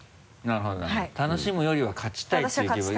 なるほどなるほど楽しむよりは勝ちたいっていう気分。